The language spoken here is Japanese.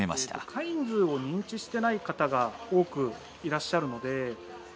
カインズを認知してない方が多くいらっしゃるので。